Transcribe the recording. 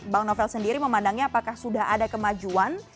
bang novel sendiri memandangnya apakah sudah ada kemajuan